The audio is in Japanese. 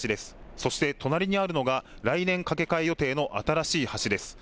そして隣にあるのが来年、架け替え予定の新しい橋です。